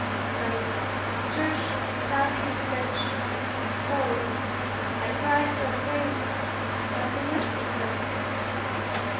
By the exertion of studied reflection and thoughts I tried to attain it but to little purpose.